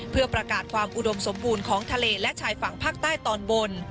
เพื่อประกาศความอุดมสมบูรณ์ของทะเลและชายฝั่งภาคใต้ตอนบน